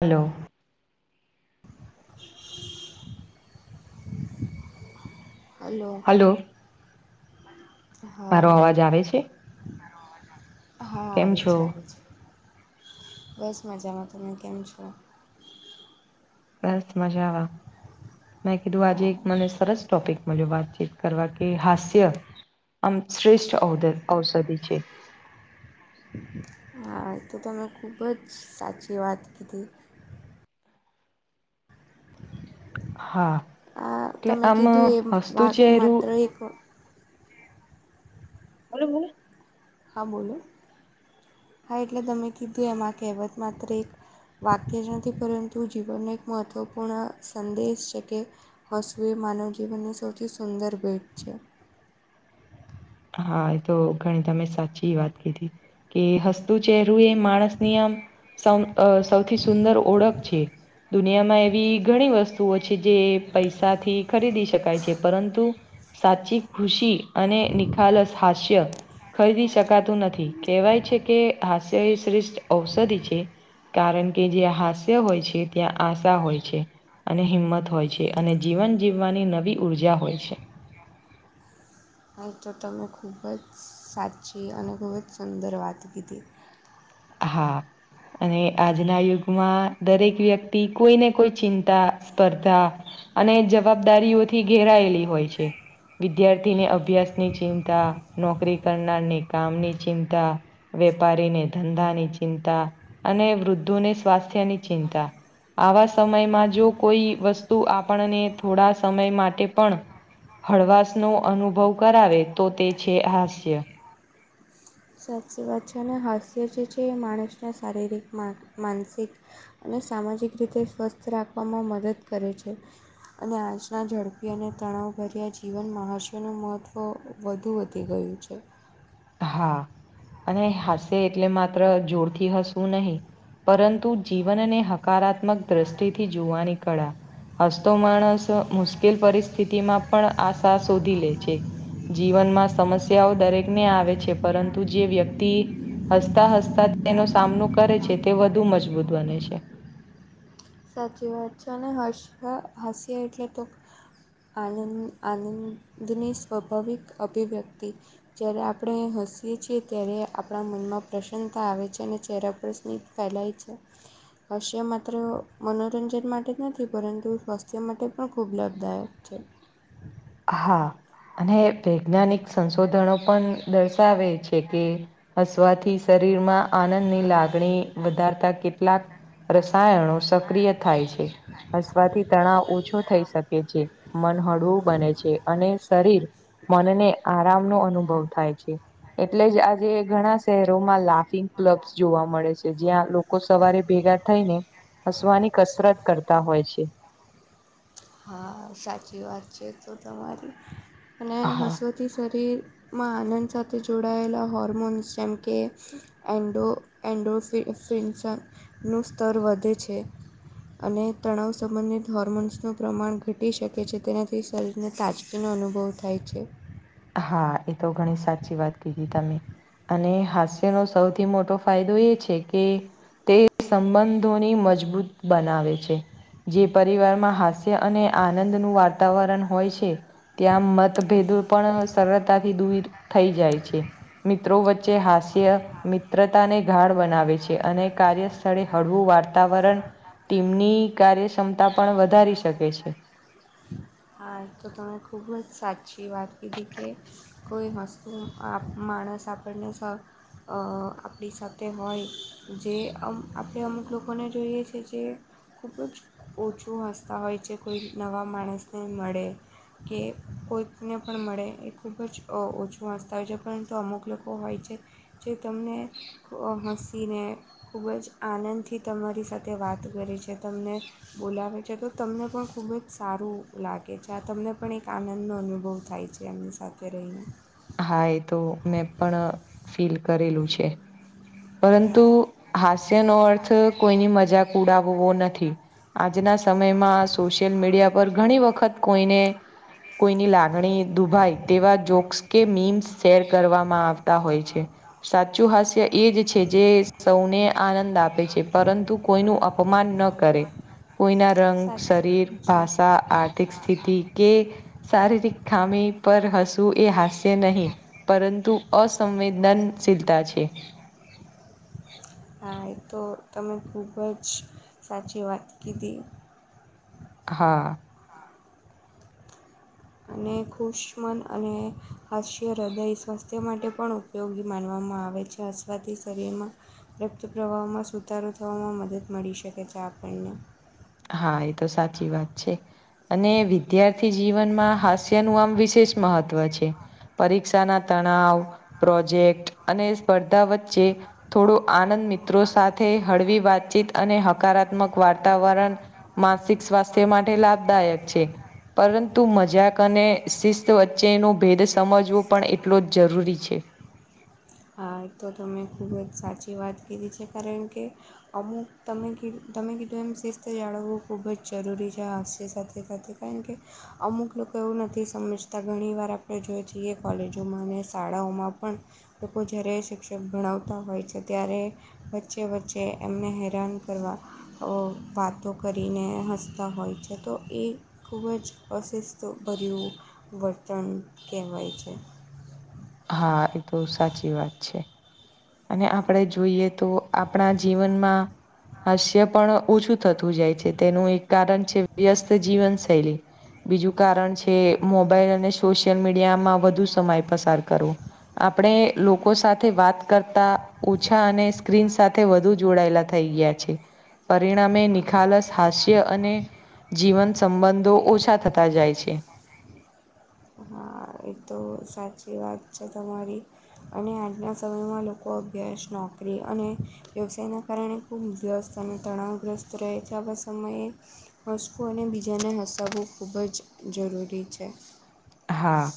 Hello. [inaudible] Hello, મારો હા. અવાજ આવે છે હા કેમ આવું છો છે આવું છે. બસ મજામાં તમે કેમ છો? બસ મજાઆ, મેં કીધું આજે હા એક મને સરસ ટોપિકમાં જો વાતચીત કરવા કે હાસ્ય આમ શ્રેષ્ઠ ઔધ ઔષધિ છે હા હા તો તમે ખૂબ જ સાચી વાત કીધી હા આ એટલે તમે આમ કીધું એ હસ્તુ વા ચેહરું માત્ર એક બોલો બું હા બોલો હા એટલે તમે કીધું એમાં કહેવત માત્ર એક વાક્ય જ નથી પરંતુ જીવનનો એક મહત્ત્વપૂર્ણ સંદેશ છે કે હોસવી માનવ જીવનની સૌથી સુંદર ભેટ છે. હા એ તો ઘણી તમે સાચી વાત કીધી કે હસ્તુ ચેહરું એ માણસ ની આમ સૌથી સુંદર ઓળખ છે. દુનિયામાં એવી ઘણી વસ્તુઓ છે જે પૈસાથી ખરીદી શકાય છે પરંતુ સાચી ખુશી અને નિખાલસ હાસ્ય ખરીદી શકાતું નથી કહેવાય છે કે હાસ્ય શ્રેષ્ઠ ઔષધિ છે. કારણ કે જે હાસ્ય હોય છે ત્યાં આશા હોય છે. અને હિંમત હોય છે અને જીવન જીવવાની નવી ઉઊર્જા હોય છે. નહીં તો તમે ખૂબ જ સાચી અને ખૂબ જ સુંદર વાત કીધી હા અને આજના યુગમાં દરેક વ્યક્તિ કોઈને કોઈ ચિંતા સ્પર્ધા અને જવાબદારીઓથી ઘેરાયેલી હોય છે. વિદ્યાર્થીને અભ્યાસ ની ચિંતા નોકરી કરનારને કામની ચિંતા. વેપારીને ધંધાની ચિંતા અને વૃદ્ધોને સ્વાસ્થ્યની ચિંતા. આવા સમયમાં જો કોઈ વસ્તુ આપણને થોડા સમય માટે પણ હળવાશ નો અનુભવ કરાવે તો તે છે હાસ્ય સાચી વાત છે અને હાસ્ય જે છે એ માણસના શારીરિક મા માનસિક અને સામાજિક રીતે સ્વસ્થ રાખવામાં મદદ કરે છે. અને આજના ઝડપી અને તણાવભર્યા જીવન મહ હર્ષ્યોનું મહત્ત્વ વધુ વધી ગયું છે. હા અને હસે એટલે માત્ર જોરથી હસવું નહી પરંતુ જીવનને હકારાત્મક દ્રષ્ટિથી જોવાની કળા હસતો માણસ મુશ્કેલ પરિસ્થિતિમાં પણ આશા શોધી લે છે. જીવનમાં સમસ્યાઓ દરેકને આવે છે પરંતુ જે વ્યક્તિ હસતા હસતા તેનો સામનો કરે છે તે વધુ મજબૂત બને છે. સાચી વાત છે અને હસ હાસ્ય એટલે તોક આનંદ આનંદની સ્વાભાવિક અભિવ્યક્તિ જ્યારે આપણે હસીએ છીએ ત્યારે આપણા મનમાં પ્રસન્નતા આવે છે અને ચહેરાપર સ્નીપ ફેલાય છે કશેિયા માત્ર મનોરંજન માટે જ નથી પરંતુ સ્વાસ્થ્ય માટે પણ ખૂબ લાભદાયક છે. હા અને વૈજ્ઞાનિક સંશોધનો પણ દર્શાવે છે. છે કે હસવાથી શરીરમાં આનંદની લાગણી વધારતા કેટલાક રસાયણો સક્રિય થાય છે હસવાથી તણાવ ઓછો થઈ શકે છે. મન હળવું બને છે અને શરીર મનને આરામનો અનુભવ થાય છે. એટલે જ આજે ઘણા શહેરોમાં લાફિંગ ક્લબ્સ જોવા મળે છે જ્યાં લોકો સવારે ભેગા થઈને હસવાની કસરત કરતા હોય છે. હા સાચી વાત છે તો તમારી હા મસોથી શરીર મા આનંદ સાથે જોડાયેલા હોર્મોન્સ જેમ કે એન્ડો એન્ડો ફી ફિનશનું સ્તર વધે છે. અને તણાવ સંબંધિત હોર્મોન્સનો પ્રમાણ ઘટી શકે છે તેનાથી શરીરને તાજગીનો અનુભવ થાય છે. હા એ તો ઘણી સાચી વાત કી તમે અને હાસ્ય નો સૌથી મોટો ફાયદો એ છે કે તે સંબંધોની મજબૂત બનાવે છે જે પરિવારમાં હા સ્ય અને આનંદ નું વાતાવરણ હોય છે ત્યાં મતભેદો હલ સરળતાથી દૂવિત થઈ જાય છે મિત્રો વચ્ચે હાસ્ય મિત્રતાને ધાર બનાવે છે અને કાર્યસ્થળે હળવું વાતાવરણ ટીમની કાર્યક્ષમતા પણ વધારી શક હા તો તમે ખુબ જ સાચી વાત કીધી કે કોઈ હસ્તુ આપ માણસ આપણને સ અ આપડી સાથે હોય જે અમ આપડે અમુક લોકોને જોઈએ છે જે ખૂબું જ ઓછું હસતા હોય છે કોઈ નવા માણસને મળે કે કોઈકને પણ મળે એ ખૂબ જ અ ઓછું વાસ્તા હોય છે પરંતુ અમુક લોકો હોય છે જે તમને અ હસીને ખૂબ જ આનંદથી તમારી સાથે વાત કરે છે તમને બોલાવે છે તો તમને પણ ખૂબ જ સારું લાગે છે આ તમને પણ એક આનંદનો અનુભવ થાય છે એમની સાથે રહીને. હા એ તો મેં પણ ફીલ કરેલું છે. પરંતુ હા હાસ્ય નો અર્થ કોઈની મજાક ઉડાવવો નથી. આજના સમયમાં સોશિયલ મીડિયા પર ઘણી વખત કોઈને કોઈની લાગણી દુભાય તેવા જોક્સ- - કે મીમ્સ શેર કરવામાં આવતા હોય છે સાચું હાસ્ય એ જ છે જે સૌને આનંદ આપે છે પરંતુ કોઈનું અપમાન ન કરે. કોઈના રંગ સાચું શરીર હમ. ભાષા આર્થિક સ્થિતિ કે શારીરિક ખામી પર હશું એ હાસ્ય નહીં પરંતુ અસંવેદનશીલતા છે. હ તો તમે ખૂબ જ સાચી વાત કીધી. હા. અને ખુશ્મન અને હાસ્ય હૃદય સ્વાસ્થ્ય માટે પણ ઉપ પયોગી માનવામાં આવે છે અસવાથી શરીરમાં રક્ત પ્રવાહમાં સુધારો થવામાં મદદ મળી શકે છે આપણને. હા એ તો સાચી વાત છે. અને વિદ્યાર્થી જીવનમાં હાસ્યનું આમ વિશેષ મહત્વ છે. પરીક્ષા ના તણાવ પ્રોજેક્ટ અને સ્પર્ધા વચ્ચે થોડો આનંદ મિત્રો સાથે હળવી વાતચીત અને હકારાત્મક વાર્તાવરણ માનસિક સ્વાસ્થ્ય માટે લાભદાયક છે. પરંતુ મજાક અને શિસ્ત વચ્ચેનો ભેદ સમજવો પણ એટલો જ જરૂરી છે. હા તો તમેં ખૂબ જ સાચી વાત કીધી છે કારણ કે અમુક તમે કી તમે કીધું એમ શિસ્ત જાળવવું ખૂબ જરૂરી છે હાસ્ય સાથે સાથે. Thank you. અમુક લોકો એવું નથી સમજતા ઘણી વાર આપણે જોઈએ છીએ કોલેજોમાં અને શાળાઓમાં પણ તો કો જ જ્યારે શિક્ષક ભણાવતા હોય છે ત્યારે, વચ્ચે વચ્ચે એમને હેરાન કરવા. વાતો કરીને હસતા હોય છે તો એ ખૂબ જ અશુસ્તભર્યું વર્તન કહેવાય છે. હા એ તો સાચી વાત છે. અને આપણે જોઈએ તો આપણા જીવનમાં હાસ્ય પણ ઓછું થતું જાય છે તેનું એક કારણ છે વ્યસ્ત જીવનશૈલી. બીજું કારણ છે મોબાઈલ અને સોશિયલ મીડિયામાં વધુ સમય પસાર કરવો. આપણે લોકો સાથે વાત કરતા ઓછા અને સ્ક્રીન સાથે વધુ જોડાયેલા થઈ ગયા છે. પરિણામે નિખાલસ હાસ્ય અને જીવન સંબંધો ઓછા થતા જાય છે. હા એકદમ તો સાચી વાત છે તમારી. અને આજના સમયમાં લોકો અભ્યાસ નોકરી અને વ્યવસાયના કારણે ખૂબ વ્યસ્ત અને તણાવગ્રસ્ત રહે છે સમયે. હશું અને બીજાને હસાવવું ખૂબ જ જરૂરી છે. હા.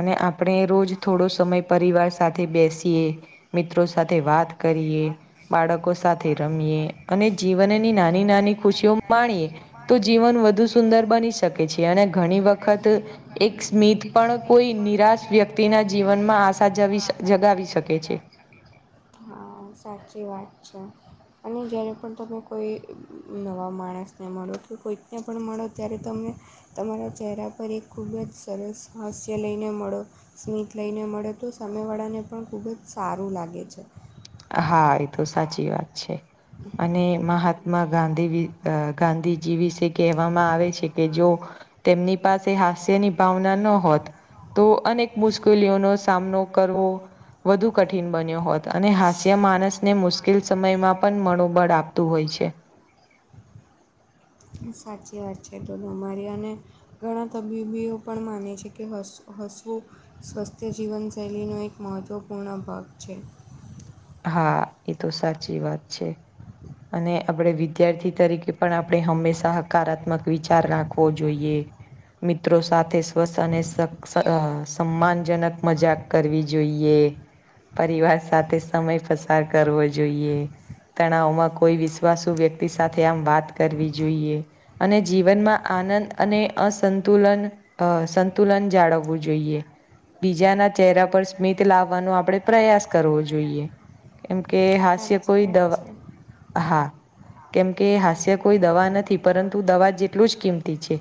અને આપણે રોજ થોડો સમય પરિવાર સાથે બેસીએ, મિત્રો સાથે વાત કરીએ, બાળકો સાથે રમીએ, અને જીવનની નાની નાની ખુશીઓ માણીએ. તો જીવન વધુ સુંદર બની શકે છે અને ઘણી વખત, એક એક સ્મીથ પણ કોઈ નિરાશ વ્યક્તિના જીવનમાં આશા જ જગાવી શકે છે. હા સાચી વાત છે. અને જ્યારે પણ તમે કોઈ નવા માણસને મળો કે કોઈકને પણ મળો ત્યારે તમે. તમારા ચહેરા પર એક ખૂબ જ સરસ હાસ્ય લઈને મળો. સ્મિત લઈને મળે તો સામે વાળાને પણ ખુબ જ સારું લાગે છે. હા એ તો સાચી વાત છે. અને મહાત્મા ગાંધી ગાંધીજી વિશે કહેવામાં આવે છે કે જો તેમની પાસે હાસ્યની ભાવના ન હોત. તો અનેક મુશ્કેલીઓનો સામનો કરવો, વધુ કઠિન બન્યો હોત, અને હ હાસ્ય માણસને મુશ્કેલ સમયમાં પણ મનોોબળ આપતું હોય છે. સાચી વાત છે તો તમારી, અને ઘણા તબીબીઓ પણ માને છે કે હસ હસવું સ્વસ્થ્ય જીવનશૈલીનો એક મહત્વપૂર્ણ ભાગ છે. હા એ તો સાચી વાત છે. અને આપણે વિદ્યાર્થી તરીકે પણ આપણે હંમેશા હકારાત્મક વિચાર રાખવો જોઈએ. મિત્રો સાથે સ્વસ અને સ સમાનજનક મજાક કરવી જોઈએ, પરિવાર સાથે સમય પસાર કરવો જોઈએ. તણાવમાં કોઈ વિશ્વાસુ વ્યક્તિ સાથે આમ વાત કરવી જોઈએ. અને જીવનમાં આનંદ અને અસંતુલન અ સંતુલન જાળવવું જોઈએ. બીજાના ચહેરા પર સ્મિત લાવવાનો આપડે પ્રયાસ કરવો જોઈએ. એમ કે સાચી વાત હાસ્ય છે કોઈ દવા હા, કેમકે હાસ્ય કોઈ દવા નથી પરંતુ દવા જેટલું જ કિંમતી છે.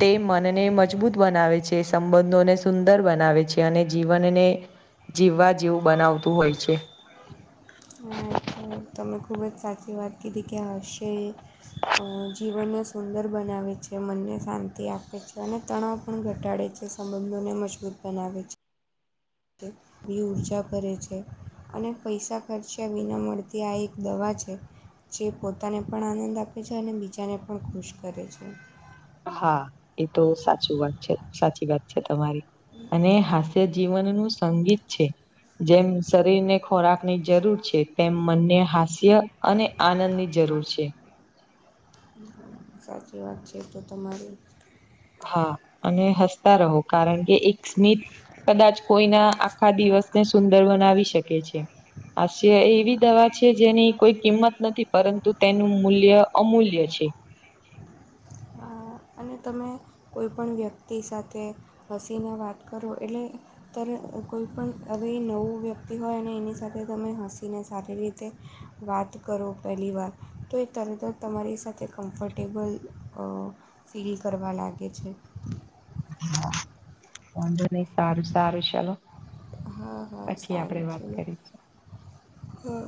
તે મનને મજબૂત બનાવે છે સંબંધોને સુંદર બનાવે છે અને જીવનને જીવવા જેવું બનાવતું હોય છે. હા એ તોલે તમે ખૂબ જ સાચી વાત કીધી ક્યાં હશે. જીવનને સુંદર બનાવે છે મનને શાંતિ આપે છે અને તણાવ પણ ઘટાડે છે સંબંધોને મજબૂત બનાવે છે. [unintelligible] બી ઊર્જા કરે છે અને પૈસા ખર્ચ્યા વિના મળતી આ એક દવા છે. જે પોતાને પણ આનંદ આપે છે અને બીજાને પણ ખુશ કરે છે. હા એ તો સાચું વાત છે સાચી વાત છે તમારી અને હા. તે જીવનનું હું સંગીત છે. જેમ શરીર ને ખોરાક ની જરૂર છે તેમ મનને હાસ ય અને આનંદ ની જરૂર છે. સાચી વાત છે તો તમારી હા અને હસતા રહો કારણ કે એક સ્મિત કદાચ કોઈના આખા દિવસને સુંદર બનાવી શકે છે. હાસ્ય એવી દવા છે જેની કોઈ કિંમત નથી પરંતુ તેનું મૂલ્ય અમૂલ્ય છે અને તમે કોઈ પણણ વ્યક્તિ સાથે હસીને વાત કરો એટલે ત્યારે કોઈ પણણ હવે નવું વ્યક્તિ હોય એની સાથે તમે હસીને સારી રીતે વાત કરો પહેલી વાર તો એ તરત જ તમારી સાથે કમ્ફર્ટેબલ ફીલ કરવા લાગે છે. હા વાંધો નહી સારું સારું ચલો હા હા સારું છે કરીશ. હા.